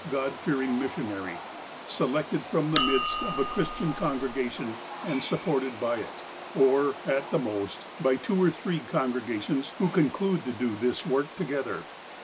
God fearing missionary, selected from the midst of a Christian congregation, and supported by it, or, at the most, by two or three congregations who con clude to do this work together.